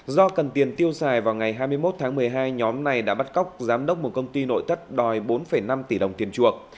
do cần tiền tiêu xài vào ngày hai mươi một tháng một mươi hai nhóm này đã bắt cóc giám đốc một công ty nội tất đòi bốn năm tỷ đồng tiền chuộc